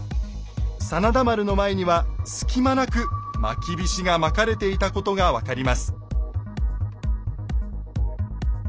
真田丸の前には隙間なくまきびしがまかれていたことが分かります。